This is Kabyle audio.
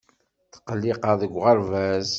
Tqelliqeɣ deg uɣerbaz.